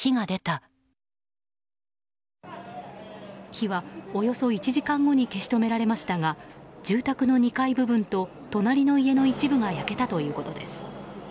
火はおよそ１時間後に消し止められましたが住宅の２階部分と隣の家の一部が焼けたということです。